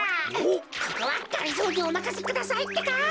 ここはがりぞーにおまかせくださいってか。